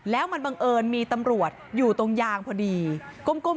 แล้วเดี๋ยวเล่าความคลิปกันก่อน